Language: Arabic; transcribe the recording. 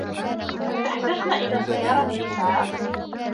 هل تحتجن إلى سيارة إسعاف ؟